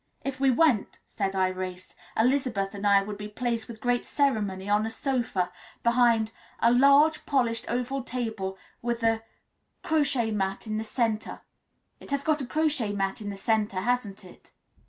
"If we went," said Irais, "Elizabeth and I would be placed with great ceremony on a sofa behind a large, polished oval table with a crochetmat in the centre it has got a crochet mat in the centre, hasn't it?"